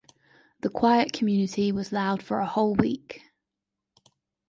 The quiet community was loud for a whole week.